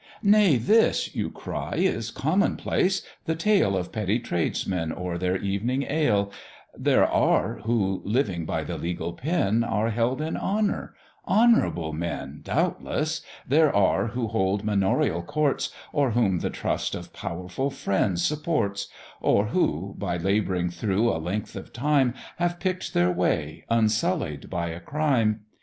"Nay, this," you cry, "is common place, the tale Of petty tradesmen o'er their evening ale; There are who, living by the legal pen, Are held in honour, 'Honourable men'" Doubtless there are who hold manorial courts, Or whom the trust of powerful friends supports, Or who, by labouring through a length of time, Have pick'd their way, unsullied by a crime.